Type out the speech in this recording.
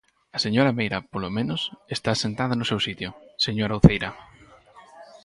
A señora Meira, polo menos, está sentada no seu sitio, señora Uceira.